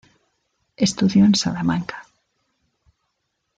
Estudió en Salamanca.